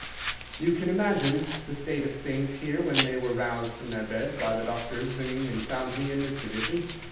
"You can imagine the state of things here when they were roused from their beds by the doctor's ringing and found me in this condition.